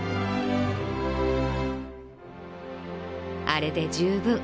「あれで十分。